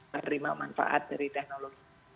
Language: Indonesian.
menerima manfaat dari teknologi